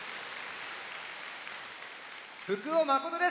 福尾誠です！